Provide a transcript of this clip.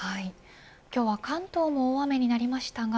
今日は関東も大雨になりましたが